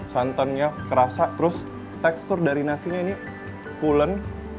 santannya kerasa terus tekstur dari nasinya ini pulen